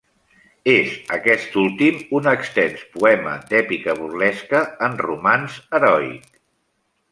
És aquest últim un extens poema d'èpica burlesca en romanç heroic.